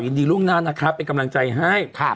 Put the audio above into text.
ยินดีล่วงหน้านะคะเป็นกำลังใจให้